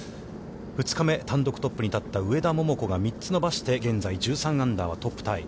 ２日目、単独トップに立った上田桃子が３つ伸ばして、現在１３アンダーは、トップタイ。